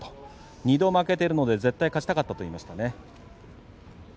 ２度負けているので絶対勝ちたかったと言いました。